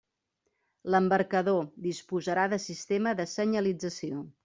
L'embarcador disposarà de sistema de senyalització.